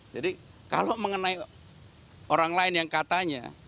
jadi kalau mengenai orang lain yang katanya